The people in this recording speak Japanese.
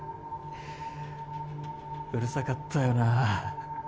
うるさかったよな。